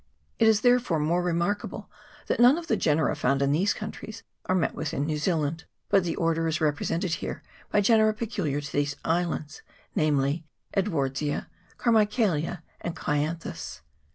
It is therefore more re markable that none of the genera found in these countries are met with in New Zealand : but the order is represented here by genera peculiar to 122 TE AWA ITI. [PART i. these islands ; namely, Edwardsia, Carmicliaelia, and Clianthus.